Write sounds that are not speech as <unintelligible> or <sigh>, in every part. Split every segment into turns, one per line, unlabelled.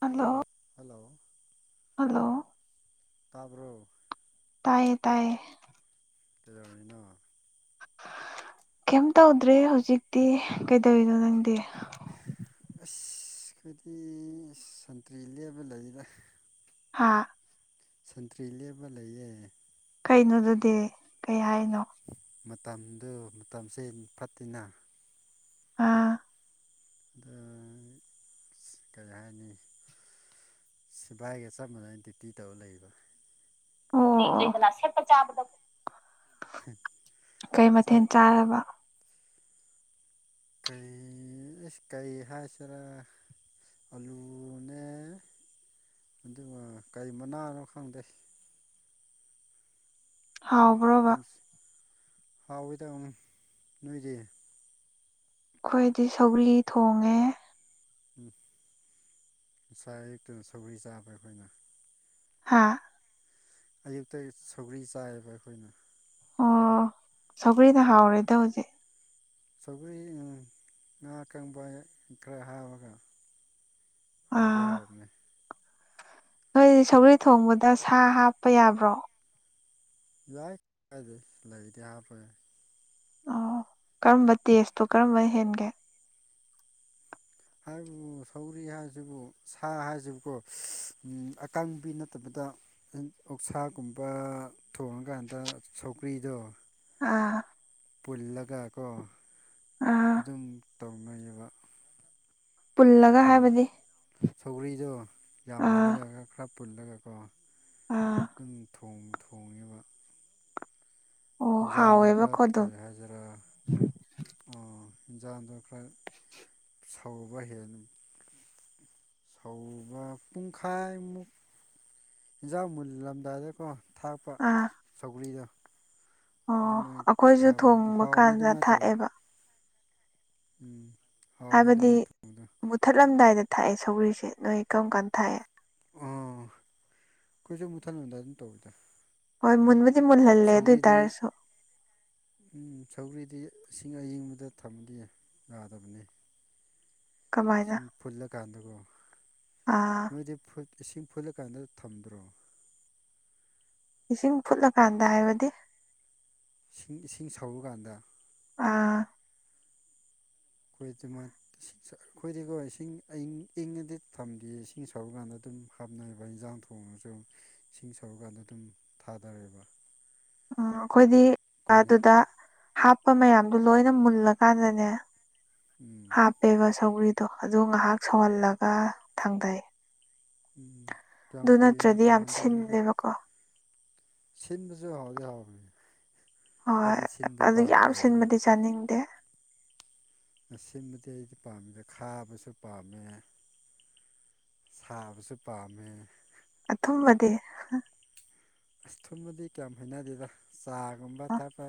Hello hello
ꯇꯥꯄꯣ
ꯇꯌꯦ ꯇꯥꯏꯌꯦ
ꯀꯗꯔꯕꯅꯤꯅ
ꯀꯩꯝ ꯇꯧꯗ꯭ꯔꯦ ꯍꯧꯖꯤꯛꯇꯤ ꯀꯩꯗꯧꯔꯤꯅꯣ ꯅꯪꯗꯤ
ꯑꯁ ꯈꯗꯤ ꯁꯟꯇ꯭ꯔꯤ ꯂꯦꯞꯕ ꯂꯩꯗ
ꯍꯥꯥ
ꯁꯟꯇ꯭ꯔꯤ ꯂꯦꯞꯕ ꯂꯩꯌꯦꯦ
ꯀꯩꯅꯣꯗꯨꯗꯤ ꯀꯩ ꯍꯥꯏꯅꯣ
ꯃꯇꯝꯗꯨ ꯃꯇꯝꯁꯦ ꯐꯠꯇꯦꯅ
ꯑꯥ
ꯑꯗ ꯌꯥꯥꯏꯅꯤ ꯁꯤꯐꯏꯒ ꯆꯞ ꯃꯥꯟꯅꯩ ꯗ꯭ꯌꯨꯇꯤ ꯇꯧꯧꯕ ꯂꯩꯕ
ꯎꯝ ꯑꯗꯨꯗꯅ ꯁꯦꯠꯄ ꯆꯥꯕꯗ ꯀꯩ
ꯆꯥꯛ
ꯃꯊꯦꯜ ꯆꯥꯔꯕ
ꯀꯩ ꯀꯩ ꯍꯥꯏꯆꯔꯥ ꯑꯂꯨꯅꯅꯦ ꯑꯗꯨꯒ ꯀꯔꯤ ꯃꯅꯥꯅꯣ ꯈꯪꯗꯦ
ꯍꯥꯎꯕꯔꯣꯕꯔ
ꯍꯥꯎꯋꯤꯗ ꯅꯣꯏꯗꯤ
ꯑꯩꯈꯣꯏꯗꯤ ꯁꯧꯒꯔꯤ ꯊꯣꯡꯉꯦ
ꯎꯝ ꯉꯅꯨꯡꯁꯥ ꯑꯛꯇꯨꯅ ꯁꯧꯒꯔꯤ ꯆꯥꯕ ꯑꯩꯈꯣꯏꯅ
ꯍꯥ
ꯑꯌꯨꯛꯇ ꯁꯧꯒ꯭ꯔꯤ ꯆꯥꯏꯌꯦꯕ ꯑꯩꯈꯣꯏꯅ
ꯑꯣ ꯁꯒꯔꯤꯗ ꯍꯥꯎꯔꯦꯗ ꯍꯧꯖꯤꯛ
ꯁꯒꯔꯤ ꯉ ꯀ ꯀꯥꯡꯕ ꯈꯔ ꯍꯥꯥꯎꯒ
ꯑꯥ
ꯍꯣꯏꯖꯍꯥꯎꯅꯦ
ꯅꯣꯏꯗꯤ ꯁꯧꯒꯔꯤ ꯊꯣꯡꯕꯗ ꯁꯥ ꯍꯥꯞꯄ ꯌꯥꯕ꯭ꯔꯣ
ꯌꯥꯏ ꯀ ꯂꯩꯗꯤ ꯍꯥꯞꯄ ꯌꯥꯅꯦ
ꯑꯣ ꯀꯔꯝꯕ ꯇꯦꯁꯇꯣ ꯀꯔꯝꯕ ꯍꯦꯟꯒꯦ
ꯍꯥꯏꯕꯨ ꯁꯧꯔꯤ ꯍꯥꯏꯁꯤꯕꯨ ꯁꯥ ꯍꯥꯏꯁꯤꯕꯨꯀꯣ ꯑꯀꯪꯕꯤ ꯅꯠꯇꯕꯗ ꯑꯣꯛꯁꯥꯒꯨꯝꯕ ꯊꯣꯡꯉꯀꯥꯟꯗ ꯁꯧꯀ꯭ꯔꯤꯗꯣ
ꯑꯥ
ꯄꯨꯜꯂꯒꯀꯣ
ꯑꯥ
ꯑꯗꯨꯝ ꯇꯧꯅꯩꯑꯌꯦꯕ
ꯄꯨꯜꯂꯒ ꯍꯥꯏꯕꯗꯤ
ꯁꯧꯒ꯭ꯔꯤꯗꯣ
ꯑꯥ
ꯌꯥꯝꯍꯜꯂꯒꯒ ꯈꯔ ꯄꯨꯜꯂꯒꯀꯣ
ꯑꯥ
ꯑꯗꯨꯝ ꯊꯣꯡ ꯊꯣꯡꯉꯤꯕ
ꯑꯣ
ꯌꯦꯟꯁꯥꯡꯗ ꯈꯔ
ꯍꯥꯎꯋꯦꯕꯀꯣ ꯑꯗꯨꯝ
ꯀꯔꯤ ꯍꯥꯏꯖꯔꯥ ꯑꯣ ꯖ ꯑꯗꯔ ꯈ ꯁꯥꯎꯕ ꯍꯅ ꯁꯧꯕ ꯄꯨꯡꯈꯥꯏꯃꯨꯛ ꯌꯦꯟꯖꯥꯡ ꯃꯨꯜꯂꯝꯗꯥꯏꯗꯀꯣ ꯊꯥꯛꯄ
ꯑꯥ
ꯁꯧꯒꯂꯤꯗ
ꯑꯣ ꯑꯩꯈꯣꯏꯁꯨ
ꯊꯥꯕꯅ
ꯊꯣꯡꯕ
ꯍꯥꯎꯕꯅꯦ
ꯀꯥꯟꯗ
ꯑꯗꯨꯃꯥꯏꯅ ꯇꯧ
ꯊꯥꯛꯑꯦꯕ
ꯎꯝ ꯍꯥꯎꯕꯅꯦ
ꯍꯥꯏꯕꯗꯤ
ꯑꯗꯨꯃꯥꯏꯅ ꯊꯣꯡꯕꯗꯣ
ꯃꯨꯊꯠꯂꯝꯗꯥꯏꯗ ꯊꯥꯛꯑꯦ ꯁꯧꯒꯔꯤꯁꯦ ꯅꯣꯏ ꯀꯔꯝ ꯀꯥꯟꯗ ꯊꯥꯛꯑꯦ
ꯑꯥ ꯑꯩꯈꯣꯏꯁꯨꯦ ꯃꯨꯊꯠ ꯍꯟꯊ ꯑꯗꯨꯝ ꯇꯧꯋꯗ
ꯍꯣꯏ ꯃ
ꯁꯧꯔꯤꯗꯤ ꯎꯝ ꯁꯧꯔꯤꯗꯤ ꯏꯁꯤꯡ ꯑꯏꯤꯡꯕꯗ ꯊꯃꯗꯤ ꯌꯥꯗꯕꯅꯤ
ꯀꯃꯥꯏꯅ
ꯁꯤꯡ ꯐꯨꯜꯂꯀꯥꯟꯗꯀꯣ
ꯑꯥ
ꯅꯣꯏꯗꯤ ꯏꯁꯤꯡ ꯐꯨꯠꯂꯀꯥꯟꯗ ꯊꯝꯗ꯭ꯔꯣ
ꯏꯁꯤꯡ ꯐꯨꯠꯂꯀꯥꯟꯗ ꯍꯥꯏꯕꯗꯤ
ꯏꯁꯤꯡ ꯏꯁꯤꯡ ꯁꯧꯔꯨꯀꯥꯟꯗ
ꯑꯥ
ꯑꯩꯈꯣꯏ ꯑꯗꯨꯃ ꯏꯁꯤꯡ ꯑꯩꯈꯣꯏꯗꯤꯀꯣ ꯏꯁꯤꯡ ꯑꯪ ꯏꯪꯉꯗꯤ ꯊꯝꯗꯦ ꯏꯁꯤꯡ ꯁꯥꯎꯔ ꯀꯥꯟꯗ ꯑꯗꯨꯝ ꯑꯗꯨꯝ ꯍꯥꯞꯅꯩꯕ ꯏꯟꯖꯥꯡ ꯊꯣꯡꯉꯒꯁꯨ ꯏꯁꯤꯡ ꯁꯧꯔꯀꯥꯟꯗ ꯑꯗꯨꯝ ꯊꯥꯗꯔꯦꯕ
ꯎꯝ ꯑꯩꯈꯣꯏꯗꯤ
ꯀꯨꯏꯅ
ꯑꯗꯨꯗ ꯍꯥꯞ ꯍꯥꯄ ꯃꯌꯥꯝꯗꯣ ꯂꯣꯏꯅ ꯃꯨꯜꯂꯀꯥꯟꯗꯅꯦ
ꯎꯝ
ꯍꯥꯞꯄꯦꯕ ꯁꯧꯒ꯭ꯔꯤꯗ ꯑꯗꯣ ꯑꯗꯨ ꯉꯥꯏꯍꯥꯛ ꯁꯧꯍꯜꯂꯒ ꯊꯥꯡꯊꯩ
ꯎ ꯆꯝ ꯀ ꯇꯧ
ꯌꯥꯝ
ꯍꯥꯟꯗꯃꯤꯗ
ꯁꯤꯜꯂꯦꯕꯀꯣ
ꯁꯤꯤꯟꯕꯁꯨ ꯍꯗ
ꯍꯣꯏ ꯑꯗꯨ ꯌꯥꯝ ꯁꯤꯟꯕꯗꯤ ꯆꯥꯅꯤꯡꯗꯦ
ꯃꯁꯤꯕꯗꯤ ꯑꯩꯗꯤ ꯄꯥꯝꯃꯤꯗ ꯈꯥꯕꯁꯨ ꯄꯥꯝꯃꯦ ꯁꯥꯕꯁꯨ ꯄꯥꯝꯃꯦ
ꯑꯊꯨꯝꯕꯗ
ꯑꯁ ꯊꯨꯝꯕꯗꯤ ꯀꯌꯥꯝ ꯍꯅꯗꯦꯗ ꯆꯥꯒꯨꯝꯕ ꯊꯛꯄ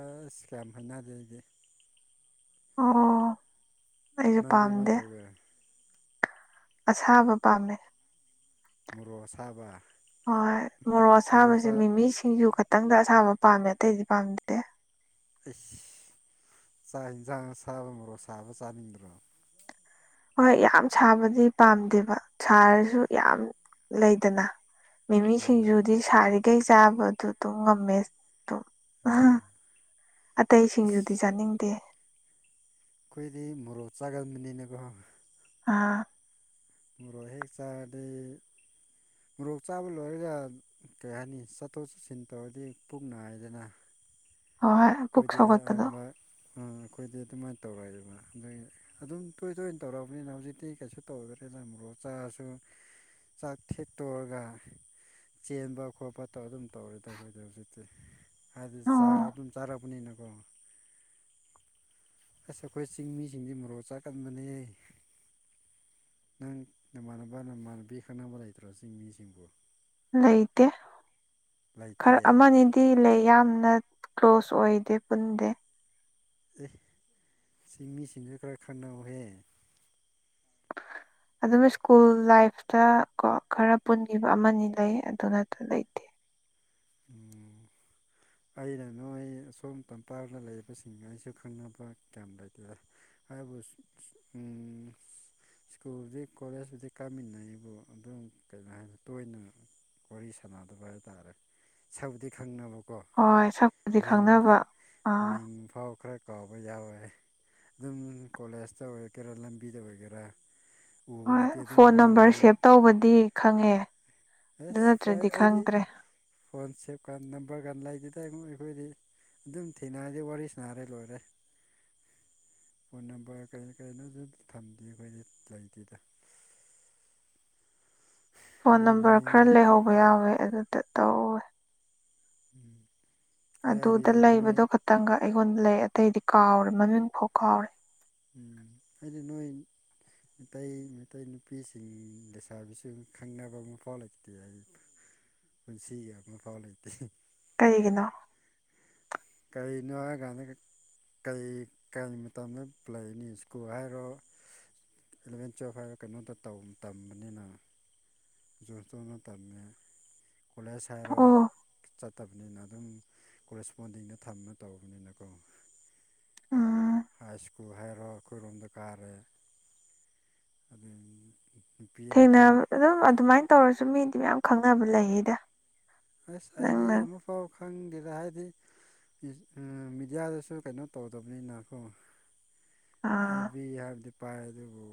ꯀꯌꯥꯝ ꯍꯥꯏꯅꯖꯩ ꯑꯩꯗꯤ
ꯑ
ꯅꯟꯗꯤ ꯃꯃꯥꯏ ꯇꯧꯒꯦ
ꯑꯁꯥꯕ ꯄꯥꯝꯃꯦ
ꯃꯣꯔꯣꯛ ꯁꯥꯕ
ꯍꯣꯏ ꯃꯣꯔꯣꯛ ꯑꯁꯕꯁꯦ ꯃꯤꯃꯤ ꯁꯤꯡ ꯌꯨ ꯈꯤꯇꯪꯗ ꯑꯁꯥꯕ ꯄꯥꯝꯃꯦ ꯑꯇꯩꯗꯤ ꯄꯥꯝꯗꯦ
ꯑꯁ ꯆꯥꯛ ꯌꯦꯟꯁꯥꯡ ꯁꯥꯕ ꯃꯔꯣ ꯁꯥꯕ ꯆꯥꯅꯤꯡꯗ꯭ꯔꯣ
ꯍꯣꯏ ꯌꯥꯝ ꯁꯥꯕꯗꯤ ꯄꯥꯝꯗꯦꯕ ꯁꯥꯔꯁꯨ ꯌꯥꯝ ꯂꯩꯗꯅ ꯃꯤꯃꯤ
ꯎꯝ
ꯁꯤꯡꯖꯨꯗꯤ ꯁꯥꯔꯤꯈꯩ ꯆꯥꯕꯗꯨ ꯑꯗꯨꯝ ꯉꯝꯃꯦ ꯑ ꯑ ꯑꯇꯩꯁꯤꯡꯖꯗꯤ
ꯑꯁ
ꯆꯥꯅꯤꯡꯗꯦ
ꯑꯩꯈꯣꯏꯗꯤ ꯃꯣꯔꯣꯛ ꯆꯥꯒꯟꯕꯅꯤꯅꯀꯣ
ꯑꯥ
ꯔꯣꯍꯤ ꯆ ꯃꯣꯔꯣꯛ ꯆꯥꯕ ꯂꯣꯏꯔꯒ ꯀꯩ ꯍꯥꯏꯅꯤ ꯆꯠꯊꯣꯛ ꯆꯠꯁꯤꯟ ꯇꯧꯔꯗꯤ ꯄꯨꯛ ꯍꯥꯏꯏꯗꯅ
ꯍꯥꯎꯋꯦ ꯄꯨꯛ ꯁꯒꯠꯇꯅ
ꯑꯥ ꯑꯩꯈꯣꯏꯗꯤ ꯑꯗꯨꯃꯥꯏꯅ ꯇꯧꯔꯣꯏꯗꯅ ꯑꯗꯨ ꯑꯗꯨꯝ ꯇꯣꯏ ꯇꯣꯏꯅ ꯇꯧꯔꯛꯑꯔꯕꯅꯤꯅ ꯍꯧꯖꯤꯛꯇꯤ ꯀꯩꯁꯨ ꯇꯧꯔꯛꯇꯦꯗ꯫ ꯃꯔꯣꯛ ꯆꯥꯔꯁꯨ ꯆꯥꯛ ꯊꯦꯠꯇꯣꯛꯔꯒ ꯆꯦꯟꯕ ꯈꯣꯠꯄ ꯑꯗꯨꯝ ꯇꯧꯔꯦꯗ ꯑꯩꯈꯣꯏꯗ ꯍꯧꯖꯤꯛꯇꯤ ꯍꯥꯏꯗꯤ ꯆꯥꯛ
ꯑꯣ
ꯑꯗꯨꯝ ꯆꯥꯔꯥꯕ ꯅꯤꯅ ꯀꯣ ꯑꯁ ꯑꯩꯈꯣꯏ ꯆꯤꯡꯃꯤꯁꯤꯡꯁꯤ ꯃꯣꯔꯣꯛ ꯆꯥꯀꯟꯕꯅꯦ ꯅꯪ ꯅꯃꯥꯟꯅꯕ ꯅꯃꯥꯟꯅꯕꯤ ꯈꯪꯅꯕ ꯂꯩꯇ꯭ꯔꯣ ꯆꯤꯡ ꯃꯤꯁꯤꯡꯕꯨ꯫
ꯂꯩꯇꯦ ꯈꯔ
ꯂꯩꯇꯤꯌꯦ
ꯑꯃ ꯑꯅꯤꯗꯤ ꯂꯩ ꯌꯥꯝꯅ ꯀ꯭ꯂꯣꯁ ꯑꯣꯏꯗꯦ ꯄꯨꯟꯗꯦ꯫
ꯑꯦ ꯁꯤ ꯃꯤꯁꯤꯡꯗꯨꯁꯨ ꯈꯔ ꯈꯟꯅꯧꯍꯦ꯫
<unintelligible> ꯑꯗꯨꯝ ꯁ꯭ꯀꯨꯜ ꯂꯥꯏꯐꯇ ꯀꯣ ꯈꯔ ꯄꯨꯟꯈꯤꯕ ꯑꯃꯅꯤ ꯂꯩ ꯑꯗꯨꯅꯠꯇ ꯂꯩꯇꯦ꯫ <inaudible>
ꯎꯝ ꯑꯩꯅ ꯅꯣꯏ ꯑꯁꯣꯝ ꯇꯝꯄꯥꯛꯗ ꯂꯩꯔꯤꯕꯁꯤꯡ ꯑꯩꯁꯨ ꯈꯪꯅꯕ ꯀꯌꯥꯝ ꯂꯩꯇꯦꯗ꯫ ꯍꯥꯏꯕ <unintelligible> ꯎ ꯁ꯭ꯀꯨꯜꯗꯤ ꯀꯣꯂꯦꯖꯄꯨꯗꯤ ꯀꯥꯃꯤꯟꯅꯩꯕꯨ ꯑꯗꯨꯝ ꯀꯩꯍꯥꯏꯅꯤ ꯇꯣꯏꯅ ꯋꯥꯔꯤ ꯁꯥꯟꯅꯗꯕ ꯍꯥꯏꯇꯥꯔꯦ ꯁꯥꯛꯄꯨꯗꯤ ꯈꯪꯅꯕꯀꯣ꯫
ꯍꯣꯏ ꯁꯛꯄꯨꯗꯤ
ꯃꯤꯡ
ꯈꯪꯅꯕ ꯑꯥ
ꯃꯤꯡ ꯐꯥꯎ ꯈꯔ ꯀꯥꯎꯕ ꯌꯥꯎꯋꯦ ꯑꯗꯨꯝ ꯀꯣꯂꯦꯖꯇ ꯑꯣꯏꯒꯦꯔꯥ ꯂꯝꯕꯤꯗ ꯑꯣꯏꯒꯦꯔꯥ
ꯍꯣꯏ
ꯎꯔꯗꯤ ꯑꯗꯨꯝ
ꯐꯣꯟ
ꯋꯥ
ꯅꯝꯕꯔ
ꯉꯥꯡ
ꯁꯦꯚ ꯇꯧꯕꯗꯤ ꯈꯪꯉꯦ꯫ ꯑꯗꯨ
ꯍꯥꯁ ꯍꯣꯏ
ꯅꯠꯇ꯭ꯔꯗꯤ
ꯑꯩꯗꯤ
ꯈꯪꯗ꯭ꯔꯦ
ꯐꯣꯟ ꯁꯦꯞ ꯀ ꯅꯝꯕꯔꯒ ꯂꯩꯒꯤꯗꯥꯏ ꯍꯨꯝ ꯑꯩꯈꯣꯏꯗꯤ ꯑꯗꯨꯝ ꯊꯦꯡꯅꯔꯗꯤ ꯋꯥꯔꯤ ꯁꯥꯥꯟꯅꯔꯦ ꯂꯣꯏꯔꯦ꯫ ꯐꯣꯟ ꯅꯝꯕꯔ ꯀꯔꯤ ꯀꯩꯅꯣꯁꯨ ꯊꯝꯗꯦ ꯑꯩꯈꯣꯏꯗꯤ ꯂꯩꯇꯦꯗ꯫
ꯐꯣꯟ
ꯑꯗꯨꯅꯤ
ꯅꯝꯕꯔ ꯈꯔ ꯂꯩꯍꯧꯕ ꯌꯥꯎꯋꯦ ꯑꯗꯨꯗ ꯇꯧꯋꯦ
<inaudible> ꯑꯗꯨꯗꯤ
ꯑꯗꯨꯗ
ꯅꯣꯏ
ꯂꯩꯕꯗꯣ ꯈꯇꯪꯒ ꯑꯩꯉꯣꯟꯗ ꯂꯩ ꯑꯇꯩꯗꯤ ꯀꯥꯎꯔꯦ ꯃꯃꯤꯡ ꯐꯥꯎ ꯀꯥꯎꯔꯦ꯫
ꯎꯝ ꯑꯩꯗꯤ ꯅꯣꯏ ꯃꯩ ꯃꯩꯇꯩ ꯅꯨꯄꯤꯁꯤꯡ ꯂꯩꯁꯥꯕꯤꯁꯤꯡ ꯈꯪꯅꯕ ꯑꯃꯐꯥꯎ ꯂꯩꯇꯦ ꯑꯩ꯫ ꯄꯨꯟꯁꯤꯒꯤ ꯑꯃꯐꯥꯎ ꯂꯩꯇꯦ꯫
ꯀꯩꯒꯤꯅꯣ
ꯀꯩꯒꯤꯅꯣ ꯍꯥꯏꯒꯟꯗ <unintelligible> ꯀꯩ ꯀꯔꯤ ꯃꯇꯝꯗ ꯂꯩꯅꯤ ꯁ꯭ꯀꯨꯜ ꯍꯥꯏꯔꯣ ꯑꯦꯂꯚꯦꯟ ꯇꯨꯌꯦꯞ ꯍꯥꯏꯕ ꯀꯩꯅꯣꯗ ꯇꯧ ꯇꯝꯕꯅꯤꯅ ꯗꯣꯅꯁꯇꯣꯟꯗ ꯇꯝꯃꯦ ꯀꯣꯂꯦꯖ ꯍꯥꯏꯔꯣ
ꯑꯣ
ꯆꯠ ꯐꯠꯇꯕꯅꯤꯅ ꯑꯗꯨꯝ ꯀꯣꯔꯦꯁꯄꯣꯟꯗꯤꯡꯗ ꯊꯝꯃ ꯇꯧꯕꯅꯤꯅꯀꯣ
ꯎꯝ
ꯍꯥꯏ ꯁꯀꯨ ꯍꯥꯏꯔꯣ ꯑꯩꯈꯣꯏꯔꯣꯝꯗꯀꯥꯔꯦ ꯑꯗꯒꯤ
ꯊꯦꯡꯅ ꯑꯗꯨꯝ ꯑꯗꯨꯃꯥꯏꯅ ꯇꯧꯔꯁꯨ ꯃꯤꯗꯤ ꯃꯌꯥꯝ ꯈꯪꯅꯕ ꯂꯩꯌꯦꯗ꯫
ꯍꯁ ꯑꯩꯗꯤ
ꯅꯪꯅ
ꯑꯃ ꯐꯥꯎ ꯈꯪꯗꯦꯗ ꯍꯥꯏꯗꯤ ꯏ ꯎꯝ ꯃꯦꯗꯤꯌꯥꯗꯁꯨ ꯀꯩꯅꯣ ꯇꯧꯗꯕꯅꯤꯅꯀꯣ
ꯑꯥ
ꯑꯦꯕꯤ ꯍꯔꯗꯤꯛ ꯄꯥꯏ ꯑꯗꯨꯕꯨ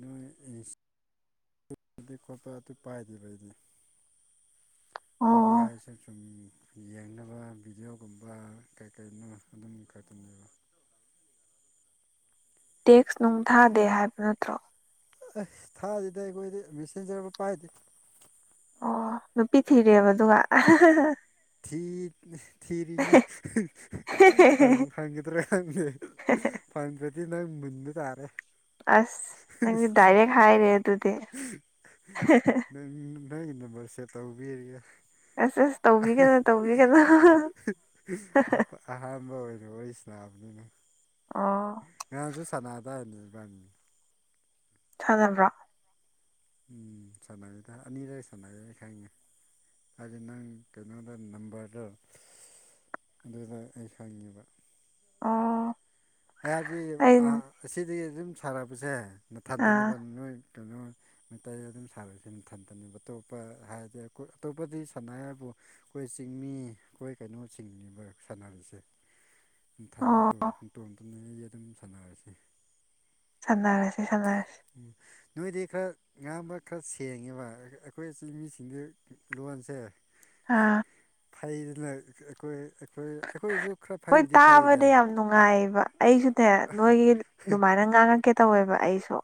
ꯅꯣꯏ ꯏꯁ <unintelligible> ꯑꯗꯨꯗꯤ ꯈꯣꯠꯄ ꯑꯗꯨ ꯄꯥꯏꯗꯦꯕ ꯑꯩꯗꯤ꯫ ꯑꯦꯕꯤ
ꯑꯣ
ꯍꯥꯏꯁꯦ ꯆꯨꯃꯤꯅꯦ꯫ ꯌꯦꯡꯅꯕ ꯚꯤꯗꯤꯑꯣꯒꯨꯝꯕ ꯀꯩ ꯀꯩꯅꯣ ꯑꯗꯨꯝ ꯈꯛꯇꯅꯦꯕ꯫
ꯇꯦꯛꯁ ꯅꯨꯡ ꯊꯥꯗꯦ ꯍꯥꯏꯕ ꯅꯠꯇ꯭ꯔꯣ꯫
ꯑꯩꯁ ꯊꯥꯗꯦꯗ ꯑꯩꯈꯣꯏꯗꯤ ꯃꯦꯁꯦꯟꯖꯔ ꯑꯃ ꯄꯥꯏꯗ꯭ꯔꯤ꯫
ꯑꯣ ꯅꯨꯄꯤ ꯊꯤꯔꯦꯕ ꯑꯗꯨꯒ <unintelligible>
ꯊꯤ ꯊꯔꯤꯅꯤ ꯐꯪ ꯐꯪꯒꯗ꯭ꯔꯥ <unintelligible> ꯈꯪꯗꯦ꯫ ꯐꯪꯗ꯭ꯔꯗꯤ ꯅꯪ ꯃꯨꯟꯕ ꯇꯥꯔꯦ꯫
ꯑꯁ ꯅꯪꯗꯤ ꯗꯥꯏꯔꯦꯛ ꯍꯥꯏꯔꯦ ꯑꯗꯨꯗꯤ꯫ <unintelligible>
ꯅ ꯏꯟꯅꯕꯔꯁꯦ ꯇꯧꯕꯤꯔꯤꯒ
ꯑꯁ ꯇꯧꯕꯤꯒꯅꯨ ꯇꯧꯕꯤꯒꯅꯨ
ꯑꯍꯥꯥꯟꯕ ꯑꯣꯏꯅ ꯑꯣꯏꯁꯤ ꯂꯥꯕꯅꯤꯅ
ꯑꯣ
ꯉꯁꯨ ꯁꯅꯥꯗ
ꯊꯖꯕ꯭ꯔꯥ
ꯎꯝ ꯁꯥꯟꯅꯩꯗ ꯑꯅꯤꯗ ꯁꯥꯟꯅꯔ ꯈꯪꯉꯦ ꯑ ꯅꯪ ꯀꯩꯅꯣꯗ ꯅꯝꯕꯝꯕꯔꯗ ꯑꯗꯨꯗꯗ ꯑꯩꯈꯥꯉꯗ
ꯑꯣ
ꯑꯩꯍꯗꯤ
ꯑꯩ
ꯑꯁꯤꯗꯒꯤ ꯑꯗꯨꯝ ꯁꯥꯔꯛꯄꯁꯦ
ꯑꯥ
ꯅꯅꯥꯊꯟꯗꯅꯦꯕ ꯅꯣꯏ ꯀꯩꯅꯣ ꯃꯩꯇꯩ ꯑꯗꯨꯝ ꯁꯥꯕꯁ ꯃꯊꯟꯇꯅꯦꯕ ꯑꯇꯣꯞꯄ ꯍꯥꯏꯔꯗꯤ ꯑꯇꯣꯞꯄꯗꯤ ꯁꯥꯟꯅ ꯍꯥꯏꯕꯨ ꯑꯩꯈꯣꯏ ꯆꯤꯡꯃꯤ ꯑꯩꯈꯣꯏ ꯀꯩꯅꯣ ꯆꯤꯡꯅꯤꯕ ꯁꯥꯟꯅꯔꯤꯁꯦ
<inaudible> ꯑꯣ
ꯇꯣꯡꯗꯨꯅ ꯑꯩꯁꯦ ꯑꯗꯨꯝ ꯁꯥꯟꯅꯔꯁꯤ
ꯁꯅꯥꯔꯁꯤ ꯁꯅꯥꯔꯁꯤ
ꯎꯝ ꯅꯣꯏꯗꯤ ꯈꯔ ꯉꯕ ꯈꯔ ꯁꯦꯡꯉꯦꯕ ꯑꯩꯈꯣꯏ ꯏꯆꯤꯟ ꯃꯤꯁꯤꯡꯗ ꯂꯣꯟꯁꯦ
ꯑꯥ
ꯐꯩꯗꯅ ꯑꯩꯈꯣꯏꯣꯏ ꯑꯩꯈꯣꯏꯁꯨ ꯈꯔ
ꯍꯣꯏ
ꯐꯩꯕꯨꯗꯤ ꯐꯩꯗ
ꯇꯥꯕꯗ ꯌꯥꯝ ꯅꯨꯡꯉꯥꯏꯌꯦꯕ ꯑꯩꯁꯨꯅꯦ ꯅꯣꯏꯒꯤ ꯑꯗꯨꯃꯥꯏꯅ ꯉꯥꯡꯉꯛꯀꯦ ꯇꯧꯋꯦꯕ ꯑꯩꯁꯨ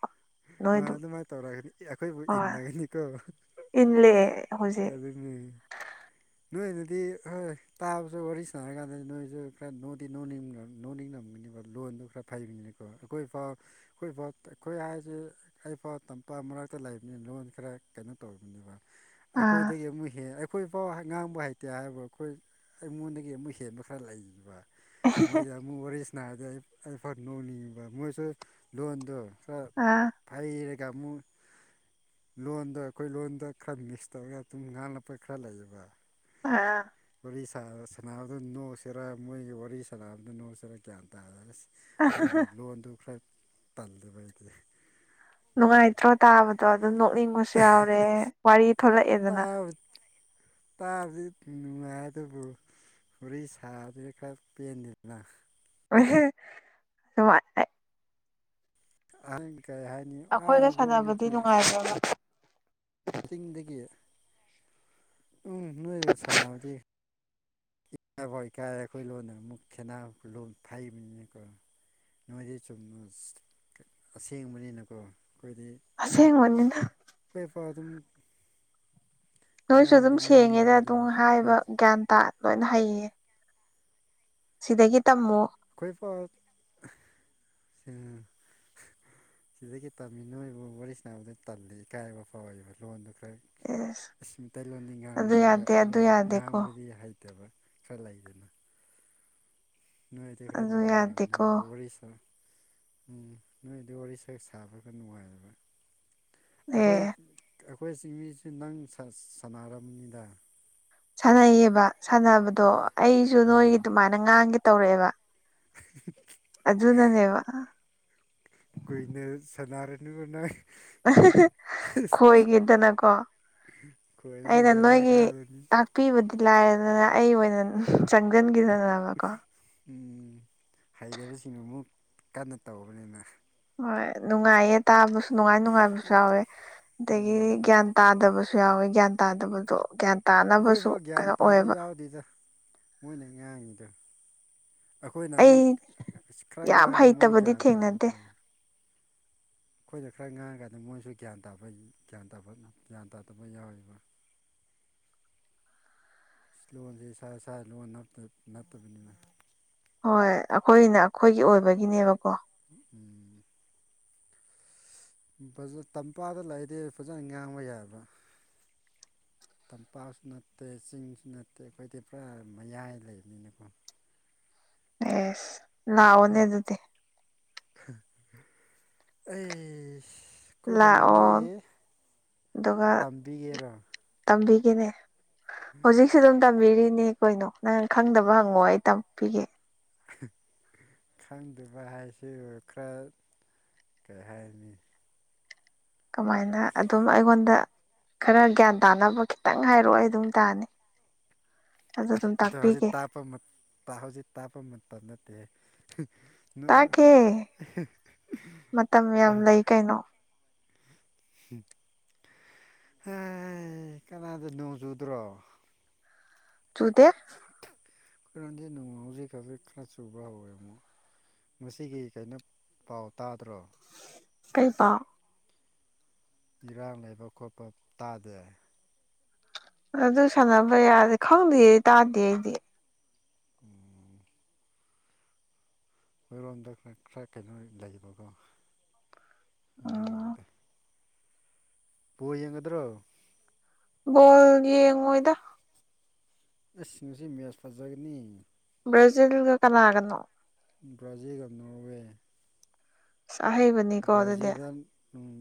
ꯅꯣꯏ
ꯑ
ꯑꯗꯨꯝ
ꯑꯗꯨꯃꯥꯏꯅ ꯇꯧꯔꯒꯗꯤ ꯑꯩꯈꯣꯏꯕꯨ ꯏꯟꯅꯒꯅꯤꯀꯣ
ꯏꯂꯦ ꯍꯧꯖꯤꯛ
ꯑꯗꯨꯅꯤ ꯅꯣꯏꯅꯗꯤ ꯍꯣꯏ ꯇꯥꯕꯁꯨ ꯋꯥꯔꯤ ꯁꯥꯟꯔꯀꯥꯟꯗꯗꯤ ꯅꯣꯏꯁꯨ ꯈꯔ ꯅꯣꯡꯗꯤ ꯅ ꯅꯣꯅꯤꯡ ꯅꯝꯒꯅꯤꯕ ꯂꯣꯟꯗꯨꯣ ꯈꯔ ꯐꯩꯕꯅꯤꯅꯀꯣ ꯑꯩꯈꯣꯏꯐꯥꯎ ꯑꯩꯈꯣꯏꯐꯥꯎ ꯑꯩꯈꯣꯏ ꯍꯥꯏ ꯁꯤ ꯑꯩꯐꯥꯎ ꯇꯝꯄꯥꯛ ꯃꯔꯛꯇ ꯂꯩꯕꯅꯤ ꯂꯣꯟ ꯈꯔ ꯀꯩꯅꯣ ꯇꯧꯔꯤꯕꯅꯦꯕ
ꯑꯥ
ꯑꯩꯈꯣꯏꯗꯒꯤ ꯑꯃꯨꯛ ꯍꯦꯛ ꯑꯩꯈꯣꯏꯐꯥꯎ ꯉꯥꯡꯕ ꯍꯩꯇꯦ ꯍꯥꯏꯕꯨ ꯑꯩꯈꯣꯏ ꯑꯩꯉꯣꯟꯗꯒꯤ ꯑꯃꯨꯛ ꯍꯦꯟꯕ ꯈꯔ ꯂꯩꯕ ꯃꯣꯏꯗ ꯑꯃꯨꯛ ꯋꯥꯔꯤꯁꯅꯥꯔꯗꯤ ꯑꯩ ꯑꯩ ꯐ ꯅꯧꯅꯤꯡꯉꯤꯕ ꯃꯣꯏꯁꯨ ꯂꯣꯟꯗꯣ
ꯑꯥ
ꯐꯔꯤꯔꯒꯃꯨ ꯂꯣꯟꯗ ꯑꯩꯈꯣꯏ ꯂꯣꯟꯗ ꯈꯔ ꯃꯤꯁ ꯇꯧꯔꯒ ꯑꯗꯨꯝ ꯉꯥꯡꯂꯛꯄ ꯈꯔ ꯂꯩꯌꯦꯕ
ꯑꯥ
ꯋꯥꯔꯤ ꯁꯥꯟꯅꯕꯗ ꯅꯣꯛꯁꯤꯔꯥ ꯃꯣꯏꯒꯤ ꯋꯥꯔꯤ ꯁꯥꯟꯅꯕꯗ ꯅꯣꯛꯁꯤꯔꯥ ꯒꯌꯥꯟ ꯇꯥꯔꯁꯤ ꯑꯗꯨꯒꯤ ꯂꯣꯟꯗꯨ ꯈꯔ ꯄꯜꯜꯂꯤꯦꯕ ꯍꯥꯏꯗꯤ
ꯅꯅꯨꯡꯥꯏꯇꯣ ꯇꯥꯎꯕꯣ ꯑꯗꯨ ꯑꯗꯨ ꯅꯣꯛꯅꯤꯡꯕꯁꯨ ꯌꯥꯎꯔꯦ ꯋꯥꯔꯤ ꯊꯂꯛꯑꯦꯗꯅ
ꯇꯥꯔꯗꯤ ꯅꯨꯡꯉꯥꯏ ꯑꯗꯨꯕꯨ ꯍꯔꯤ ꯁꯥꯗꯦ ꯈꯔ ꯄꯦꯟꯗꯦꯗꯅ
ꯑꯍꯦ ꯀꯃꯥ
ꯑ
ꯑꯩꯈꯣꯏꯒ ꯁꯥꯟꯅꯕꯗꯤ ꯅꯨꯡꯉꯥꯏꯕ꯭ꯔꯕ
ꯆꯤꯡꯗꯒꯤ ꯎꯝ ꯅꯣꯏꯗ ꯁꯥꯟꯅꯕꯗꯤ ꯏꯀꯥꯏꯐꯥꯎ ꯏꯀꯥꯏꯔꯦ ꯑꯩꯈꯣꯏ ꯂꯣꯟꯅ ꯑꯃꯨꯛ ꯈꯦꯅ ꯂꯣꯟ ꯊꯕꯅꯤꯅꯀꯣ ꯅꯣꯏꯗꯤ ꯆꯨꯝ ꯑꯁꯦꯡꯕꯅꯤꯅꯀꯣ ꯑꯩꯈꯣꯏꯗꯤ
ꯑꯁꯦꯡ ꯃꯅ
ꯀꯥꯗꯨꯝ
ꯅꯣꯏꯁꯨ ꯑꯗꯨꯝ ꯁꯦꯡꯉꯦꯗ ꯑꯗꯨꯝ
ꯑꯗꯨꯕꯨ ꯈꯔ
ꯍꯥꯏꯕ ꯒ꯭ꯌꯥꯟ ꯇꯥ ꯂꯣꯏꯅ ꯍꯩꯌꯦ ꯁꯤꯗꯒꯤ ꯇꯝꯃꯣ
ꯑꯩꯈꯣꯏ ꯄꯥꯎ ꯁꯤꯗꯒꯤ ꯇꯝꯃꯤ ꯅꯣꯏꯕꯨ ꯋꯥꯔꯤ ꯁꯥꯟꯅꯕꯗ ꯇꯜꯂꯤ ꯏꯀꯥꯏꯕ ꯐꯥꯎꯋꯕ ꯂꯣꯟꯗꯨ
ꯑꯦꯁ
ꯑꯁꯤ ꯃꯩꯇꯩꯂꯣꯟꯗꯤ
ꯑꯗꯨ
ꯉꯥꯡꯅꯤꯡꯕ
ꯌꯥꯗꯦ ꯑꯗꯨ
ꯂꯣꯏ
ꯌꯥꯗꯦꯀꯣ
ꯉꯥꯡꯕꯗꯤ ꯍꯥꯏ ꯂꯩꯠꯇꯕ ꯈꯔ ꯂꯩꯗꯅ ꯅꯨꯍꯏꯇꯦ ꯈ꯭ꯔꯔ
ꯑꯗꯨ
ꯅꯨꯍꯔ
ꯌꯥꯗꯦꯀꯣ
ꯍꯥꯏ ꯕꯔꯤꯁ ꯎꯝ ꯅꯣꯏꯗ ꯋꯥꯔꯤ ꯁꯛ ꯁꯥꯕꯒ ꯅꯨꯡꯉꯥꯏꯕ ꯑꯩꯈꯣꯏ
ꯑꯦ
ꯑꯩꯈꯣꯏ ꯆꯤꯡꯃꯤꯁꯤ ꯅꯪ ꯁꯥꯟꯅꯔꯕꯅꯤꯗ
ꯁꯥꯟꯅꯩꯌꯦꯕ ꯁꯥꯟꯅꯕꯗꯣ ꯑꯩꯁꯨ ꯅꯣꯏꯒꯤ
ꯑꯥ
ꯑꯗꯨꯃꯥꯏꯅ ꯉꯥꯡꯒꯦ ꯇꯧꯔꯛꯑꯦꯕ
<unintelligible>
ꯑꯗꯨꯗ ꯅꯅꯦꯦ ꯋꯥ
ꯀꯨꯏꯅ ꯁꯥꯟꯅꯔꯅ
ꯈꯣꯏꯒꯤꯗꯅꯀꯣ
ꯈꯣꯏꯗꯅ
ꯑꯩꯅ
ꯕꯦꯔꯥ
ꯅꯣꯏꯒꯤ
ꯀꯥꯗꯣꯏꯅꯤ
ꯇꯥꯛꯄꯤꯕꯗꯤ ꯂꯥꯏꯔꯦꯗꯅ ꯑꯩ ꯑꯣꯏꯅ ꯆꯪꯁꯤꯟꯈꯤꯗꯅ
ꯎꯝ ꯍꯩꯇꯕꯁꯤꯡꯅ ꯑꯃꯨꯛ ꯀꯟꯅ ꯇꯧꯕꯅꯤꯅ
ꯍꯣꯏ ꯅꯨꯡꯉꯥꯏꯌꯦ ꯇꯥꯕꯁꯨ ꯅꯨꯡꯉꯥꯏ ꯅꯨꯡꯉꯥꯏꯕꯁꯨ ꯌꯥꯎꯋꯦ ꯑꯗꯒꯤ
ꯎꯝ
ꯒ꯭ꯌꯥꯟ ꯇꯥꯗꯕꯁꯨ ꯁꯨ ꯌꯥꯎꯋꯦ ꯒ꯭ꯌꯥꯟ ꯇꯥꯗꯕꯗꯣ ꯒ꯭ꯌꯥꯟ ꯇꯥꯅꯕꯁꯨ
ꯑꯩꯈꯣꯏꯐꯥꯎ ꯒ꯭ꯌꯥꯟ
ꯀꯩꯅꯣ
ꯇꯥꯕ
ꯑꯣꯏꯌꯦꯕ
ꯌꯥꯎꯗꯦꯗ ꯃꯣꯏꯅ ꯉꯥꯡꯉꯤꯗ ꯑꯩꯈꯣꯏꯅ ꯑꯃꯨꯛ
ꯑꯩ
ꯈꯔ
ꯌꯥꯝ
ꯉꯥꯡꯉꯗꯤ ꯃꯣꯏ
ꯍꯩꯇꯕꯗꯤ
ꯒ꯭ꯌꯥꯟ ꯇꯥꯕ
ꯊꯦꯡꯅꯗꯦ
ꯂꯩ ꯑꯩꯈꯣꯏꯅ ꯈꯔ ꯉꯥꯡꯉꯀꯥꯟꯗ ꯃꯣꯏꯁꯨ ꯒ꯭ꯌꯥꯟ ꯇꯥꯕ ꯒ꯭ꯌꯥꯟ ꯇꯥꯕꯅꯤ ꯒ꯭ꯌꯥꯟ ꯇꯥꯗꯕ ꯌꯥꯎꯋꯕ
<unintelligible>
ꯂꯣꯟꯁꯦ ꯏꯁꯥ ꯏꯁꯥ ꯂꯣꯟ ꯅꯠꯇꯕꯅꯤꯅ
ꯍꯣꯏ ꯑꯩꯈꯣꯏꯅ ꯑꯩꯈꯣꯏꯒꯤ ꯑꯣꯏꯕꯒꯤꯅꯦꯕꯀꯣ
ꯎꯝ ꯇꯝꯄꯥꯗ ꯂꯥꯛꯏꯗꯤ ꯐꯖꯅ ꯉꯥꯡꯕ ꯌꯥꯏꯕ
<unintelligible>
ꯇꯝꯄꯥꯛꯁꯨ ꯅꯠꯇꯦ ꯆꯤꯡꯁꯨ ꯅꯠꯇꯦ ꯑꯩꯈꯣꯏꯗꯤ ꯄꯨꯔꯥ ꯃꯌꯥꯏ ꯂꯩꯕꯅꯤꯅꯀꯣ
ꯑꯦꯁ ꯂꯎꯅꯦ ꯑꯗꯨꯗꯤꯦ
ꯑꯩ ꯑꯩꯈꯣꯏ
ꯂꯥꯛꯑꯣ
ꯈꯨꯟꯗꯒꯤ
ꯑꯗꯨꯒ
ꯇꯝꯕꯤꯒꯦꯔꯣ
ꯇꯝꯕꯤꯒꯦꯅꯦ ꯍꯧꯖꯤꯛꯁꯨ ꯑꯗꯨꯝ ꯇꯝꯕꯤꯔꯤꯅꯦ ꯀꯩꯅꯣ ꯅꯪ ꯈꯪꯗꯕ ꯍꯪꯉꯣ ꯑꯩ ꯇꯝꯄꯤꯒꯦ
ꯈꯪꯗꯕ ꯍꯥꯏꯁꯤ ꯈꯔ ꯀꯩ ꯍꯥꯏꯔꯅꯤ
ꯀꯃꯥꯏꯅ ꯑꯗꯨꯝ ꯑꯩꯉꯣꯟꯗ ꯈꯔ ꯒ꯭ꯌꯥꯟ ꯇꯥꯅꯕ ꯈꯤꯇꯪ ꯍꯥꯏꯔꯛꯑꯣ ꯑꯗꯨꯝ ꯇꯥꯅꯤ ꯑꯗꯨ
ꯑꯁ
ꯑꯗꯨꯝ
ꯑꯗꯨꯣ ꯍꯧꯖꯤꯛ
ꯇꯥꯛꯄꯤꯒꯦ
ꯇꯥꯛꯄ ꯍꯧꯖꯤꯛ ꯇꯥꯛꯞꯄ ꯃꯇꯝ ꯅꯠꯇꯦ
ꯇꯥꯀꯦ ꯃꯇꯝ ꯌꯥꯝ ꯂꯩ ꯀꯩꯅꯣ
ꯍ ꯀꯅꯥꯗ ꯅꯣꯡ ꯆꯨꯗ꯭ꯔꯣ
ꯆꯨꯇꯦ
ꯀꯔꯝꯗꯤ ꯅꯣꯡ ꯆꯖꯤꯀꯥꯦ ꯀ꯭ꯂꯥꯁꯁꯨꯕ ꯍꯥꯎꯏꯃꯣ ꯃꯁꯤꯒꯤ ꯀꯩꯅꯣ ꯄꯥꯎ ꯇꯥꯗ꯭ꯔꯣ
ꯀꯩ ꯄ
ꯏꯔꯥꯡ ꯂꯩꯕ ꯈꯣꯠꯄ ꯇꯥꯗꯦ
ꯑꯗꯨ ꯁꯥꯟꯅꯕ ꯌꯥꯔꯦ ꯈꯪꯗꯦ ꯇꯥꯗꯦ ꯑꯩꯗꯤ
ꯎꯝ ꯑꯩꯈꯣꯏꯔꯣꯝꯗ ꯈꯔ ꯀꯩꯅꯣ ꯂꯩꯕꯀꯣ
ꯎꯝ
ꯎꯒꯅꯦꯗ ꯄ ꯌꯦꯡꯒꯗ꯭ꯔꯣ
ꯣꯜ ꯌꯦꯡꯉꯣꯏꯗ
ꯑꯩꯁꯤꯡꯁꯤ ꯃꯦꯁ ꯐꯖꯒꯅꯤ
ꯄꯣꯏꯣꯖ ꯀꯅꯥꯅꯥꯒꯅꯣ
ꯕ꯭ꯔꯥꯖꯤꯜ ꯅꯣꯔꯋꯦ
ꯑꯍꯩꯕꯅꯤꯀꯣ ꯑꯗꯨꯗꯤ
ꯕ꯭ꯔꯥꯖꯤꯜꯗ ꯎꯝ